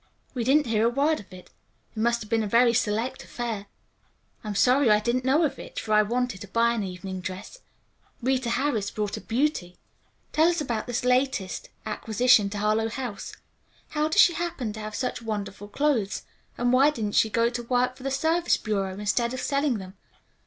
We didn't hear a word of it. It must have been a very select affair. I'm sorry I didn't know of it, for I wanted to buy an evening dress. Rita Harris bought a beauty. Tell us about this latest acquisition to Harlowe House. How does she happen to have such wonderful clothes, and why didn't she go to work for the Service Bureau instead of selling them?